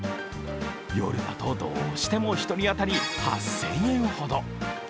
夜だとどうしても１人当たり８０００円ほど。